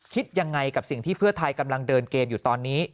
คิดยังไงกับสิ่งที่เพื่อไทยกำลังเดินเกมอยู่ตอนนี้